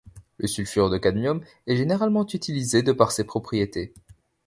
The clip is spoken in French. Le sulfure de cadmium est généralement utilisé de par ses propriétés.